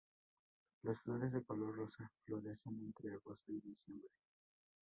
Las flores de color rosa, florecen entre agosto y diciembre.